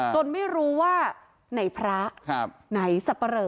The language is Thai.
จนไม่รู้ว่าไหนพระไหนสัปเปร่อ